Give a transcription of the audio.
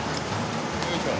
よいしょ！